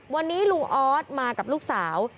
วันนี้ลุงออสมากับลูกสาว